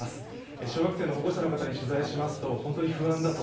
小学生の保護者の方に取材しますと本当に不安だと。